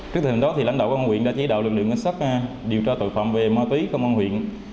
trước thời hình đó lãnh đạo công an huyện đã chỉ đạo lực lượng ngân sách điều tra tội phạm về ma túy công an huyện